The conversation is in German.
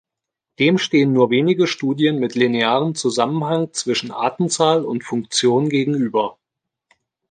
Dem stehen nur wenige Studien mit linearem Zusammenhang zwischen Artenzahl und Funktion gegenüber.